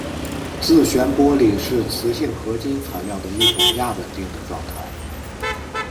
自旋玻璃是磁性合金材料的一种亚稳定的状态。